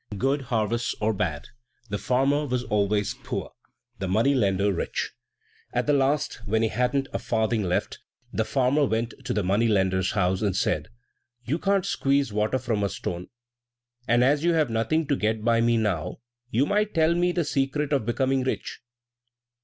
Good harvests, or bad, the farmer was always poor, the money lender rich. At the last, when he hadn't a farthing left, farmer went to the money lender's house, and said, "You can't squeeze water from a stone, and as you have nothing to get by me now, you might tell me the secret of becoming rich."